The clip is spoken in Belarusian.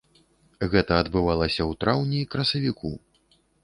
Гэта адбывалася ў траўні, красавіку.